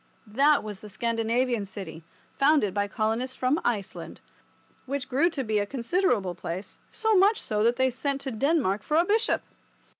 That was the Scandinavian city, founded by colonists from Iceland, which grew to be a considerable place, so much so that they sent to Denmark for a bishop.